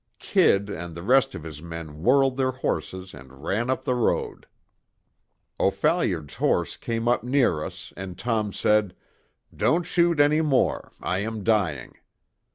'Kid' and the rest of his men whirled their horses and ran up the road. O'Phalliard's horse came up near us, and Tom said: 'Don't shoot any more, I am dying.'